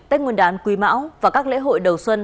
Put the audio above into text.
tết nguyên đán quý mão và các lễ hội đầu xuân hai nghìn hai mươi ba